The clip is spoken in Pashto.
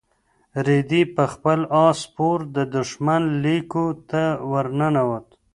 رېدي په خپل اس سپور د دښمن لیکو ته ورننوت.